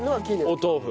お豆腐。